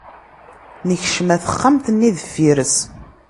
Nekcem ɣer texxamt-nni deffir-s.